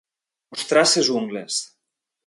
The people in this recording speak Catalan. Mostrar ses ungles.